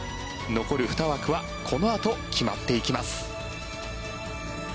残る２枠はこのあと決まっていきます。